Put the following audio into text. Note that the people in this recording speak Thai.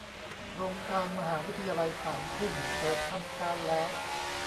โครงการมหาวิทยาลัยสามทุ่ม เปิดทำการแล้ว